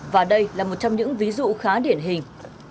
và đây là một trong những ví dụ khá điển hình